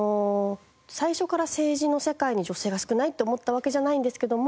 最初から政治の世界に女性が少ないって思ってたわけじゃないんですけども。